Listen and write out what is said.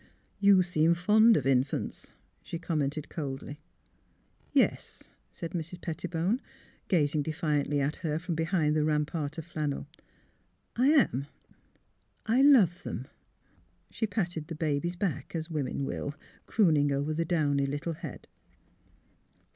^' You seem fond of infants," she commented, coldly. " Yes," said Mrs. Pettibone, gazing defiantly at her from behind the rampart of flannel, *' I am. I love them !'' She patted the baby's back, as women will, crooning over the downy little head.